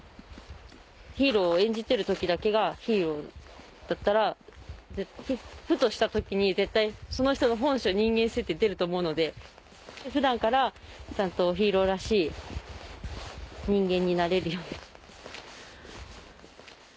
ヒーローを演じてる時だけがヒーローだったらふとした時に絶対その人の本性人間性って出ると思うので普段からちゃんとヒーローらしい人間になれるように。